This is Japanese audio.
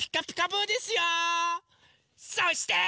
そして。